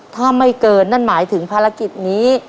ถ้าไม่เกินนั่นหมายถึงภารกิจนี้